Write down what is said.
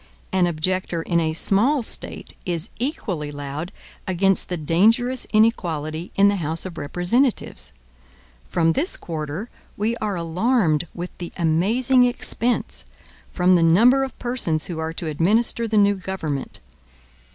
An objector in a small State is equally loud against the dangerous inequality in the House of Representatives. From this quarter, we are alarmed with the amazing expense, from the number of persons who are to administer the new government.